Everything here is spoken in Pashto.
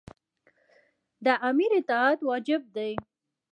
د امیر اطاعت واجب دی.